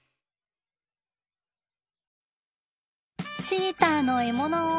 チーターの獲物を。